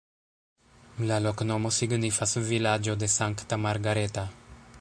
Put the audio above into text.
La loknomo signifas vilaĝo-de-Sankta Margareta.